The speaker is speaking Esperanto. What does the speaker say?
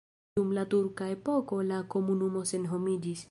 Dum la turka epoko la komunumo senhomiĝis.